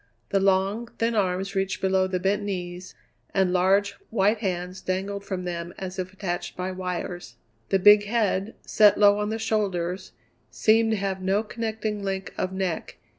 The long, thin arms reached below the bent knees, and large, white hands dangled from them as if attached by wires. The big head, set low on the shoulders, seemed to have no connecting link of neck.